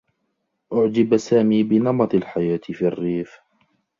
أُعجب سامي بنمط الحياة في الرّيف.